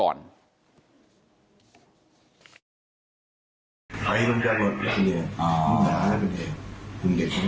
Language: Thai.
โหลายกาก